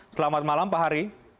selamat malam pak hari